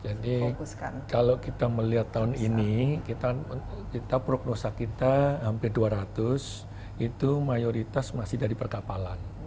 jadi kalau kita melihat tahun ini kita prognosa kita hampir dua ratus itu mayoritas masih dari perkapalan